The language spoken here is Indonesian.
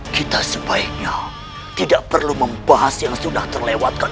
kita sebaiknya tidak perlu membahas yang sudah terlewatkan